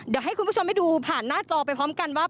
เดี๋ยวให้คุณผู้ชมได้ดูผ่านหน้าจอไปพร้อมกันว่า